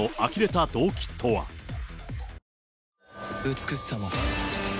美しさも